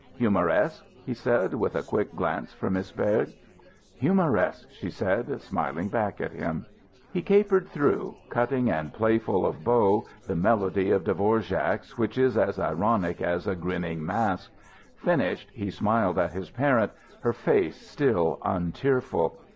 "'Humoresque'?" he said, with a quick glance for Miss Berg. "'Humoresque,'" she said, smiling back at him. He capered through, cutting and playful of bow, the melody of Dvorak's, which is as ironic as a grinning mask. Finished, he smiled at his parent, her face still untearful.